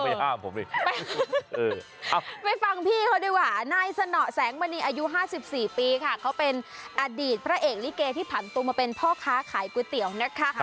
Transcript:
ห้ามผมดิไปฟังพี่เขาดีกว่านายสนอแสงมณีอายุ๕๔ปีค่ะเขาเป็นอดีตพระเอกลิเกที่ผ่านตัวมาเป็นพ่อค้าขายก๋วยเตี๋ยวนะคะ